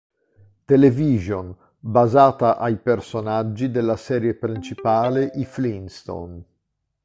Television, basata ai personaggi della serie principale I Flintstones.